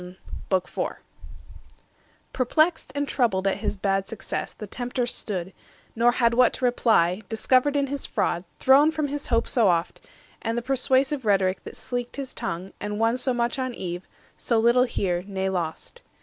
THE FOURTH BOOK Perplexed and troubled at his bad success The Tempter stood, nor had what to reply, Discovered in his fraud, thrown from his hope So oft, and the persuasive rhetoric That sleeked his tongue, and won so much on Eve, So little here, nay lost.